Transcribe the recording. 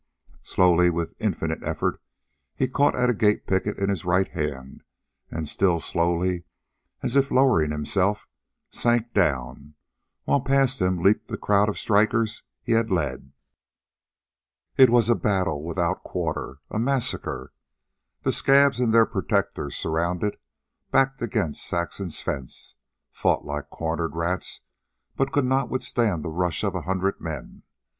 Slowly, with infinite effort, he caught a gate picket in his right hand, and, still slowly, as if lowering himself, sank down, while past him leaped the crowd of strikers he had led. It was battle without quarter a massacre. The scabs and their protectors, surrounded, backed against Saxon's fence, fought like cornered rats, but could not withstand the rush of a hundred men.